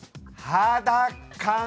はだかん。